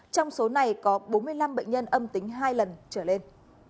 trong số này có bốn mươi năm bệnh nhân âm tính hai lần trở lên